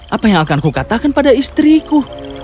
apa yang akan kukatakan pada istriku